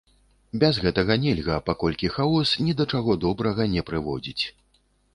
Без гэтага нельга, паколькі хаос ні да чаго добрага не прыводзіць.